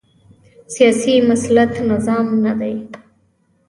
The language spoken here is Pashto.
سیاسي مسلط نظام نه دی